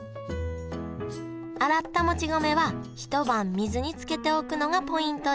洗ったもち米はひと晩水につけておくのがポイントです